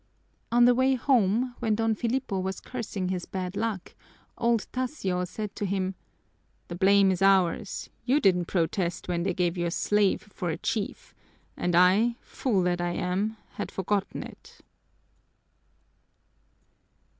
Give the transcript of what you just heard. On the way home, when Don Filipo was cursing his bad luck, old Tasio said to him: "The blame is ours! You didn't protest when they gave you a slave for a chief, and I, fool that I am, had forgotten it!"